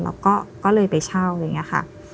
เราก็เลยไปเช่าอะไรอย่างนี้ค่ะ